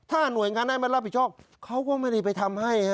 หน่วยงานไหนมารับผิดชอบเขาก็ไม่ได้ไปทำให้